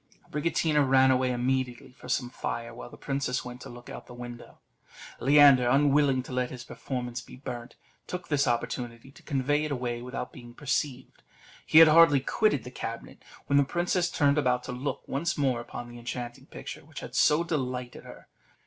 Abricotina ran away immediately for some fire, while the princess went to look out at the window. Leander, unwilling to let his performance be burnt, took this opportunity to convey it away without being perceived. He had hardly quitted the cabinet, when the princess turned about to look once more upon that enchanting picture, which had so delighted her.